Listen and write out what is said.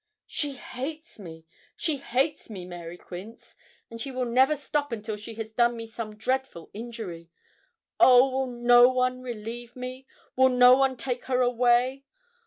'She hates me she hates me, Mary Quince; and she will never stop until she has done me some dreadful injury. Oh! will no one relieve me will no one take her away?